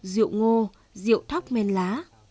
rượu ngô rượu thóc men lá